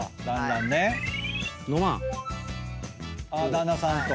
旦那さんと。